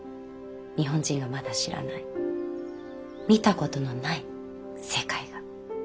日本人がまだ知らない見たことのない世界が。